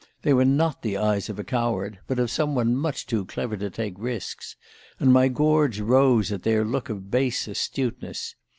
They were not the eyes of a coward, but of some one much too clever to take risks; and my gorge rose at their look of base astuteness.